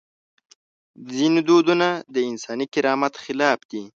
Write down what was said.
ځینې دودونه د انساني کرامت خلاف دي.